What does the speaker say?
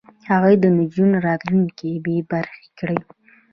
هغوی د نجونو راتلونکی بې برخې کړ.